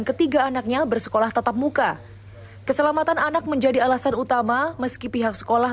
ketiga anaknya bersekolah tatap muka keselamatan anak menjadi alasan utama meski pihak sekolah